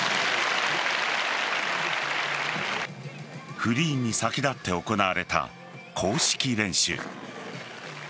フリーに先立って行われた公式練習。